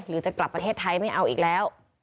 หรือจะกลับประเทศไทยไม่เอาอีกแล้ว